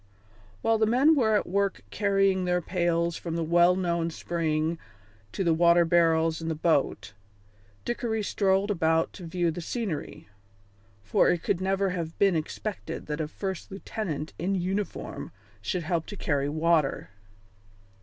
While the men were at work carrying their pails from the well known spring to the water barrels in the boat, Dickory strolled about to view the scenery, for it could never have been expected that a first lieutenant in uniform should help to carry water.